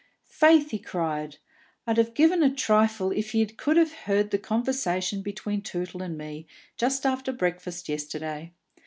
"Faith," he cried, "I'd have given a trifle if ye could have heard the conversation between Tootle and me, just after breakfast yesterday.